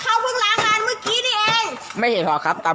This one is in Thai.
แต่ก็ไม่รู้ว่าจะมีใครอยู่ข้างหลัง